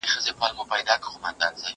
هغه وويل چي ترتيب کول مهم دي